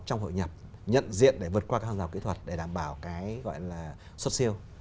trong hội nhập nhận diện để vượt qua các hàng rào kỹ thuật để đảm bảo cái gọi là xuất siêu